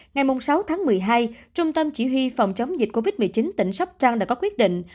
ngày sáu tháng một mươi hai trung tâm chỉ huy phòng chống dịch covid một mươi chín tỉnh sóc trăng đã có quyết định